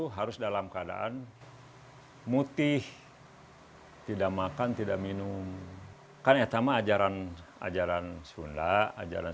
hai harus dalam keadaan mutih tidak makan tidak minum kan ya sama ajaran ajaran sunda ajaran